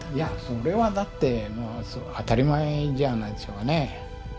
それはだって当たり前じゃないでしょうかねえ。